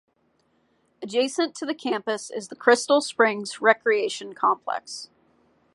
Adjacent to the campus is the Crystal Springs recreation complex.